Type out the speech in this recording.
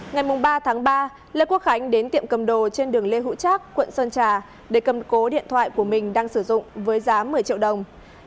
ngày ba tháng ba lê quốc khánh đến tiệm cầm đồ trên đường lê hữu trác quận sơn trà để cầm cố điện thoại của mình đang sử dụng với giá một mươi triệu đồng